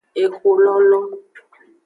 Exololo.